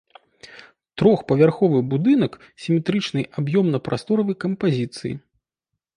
Трохпавярховы будынак сіметрычнай аб'ёмна-прасторавай кампазіцыі.